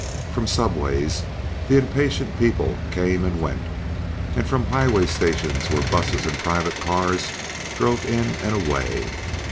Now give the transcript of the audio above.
From subways the impatient people came and went, and from highway stations where busses and private cars drove in and away.